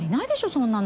そんなの。